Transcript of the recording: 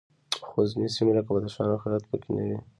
خو ځینې سیمې لکه بدخشان او هرات پکې نه وې